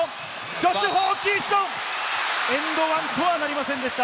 ジョシュ・ホーキンソン、エンドワンとはなりませんでした。